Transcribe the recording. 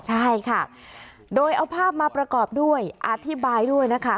ใช่ค่ะโดยเอาภาพมาประกอบด้วยอธิบายด้วยนะคะ